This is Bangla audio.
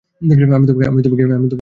আমি তোমাকে সেখানে থাকতে বলেছি, সাক্ষী।